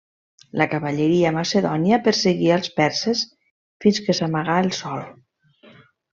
La cavalleria macedònia perseguí als perses fins que s'amagà el sol.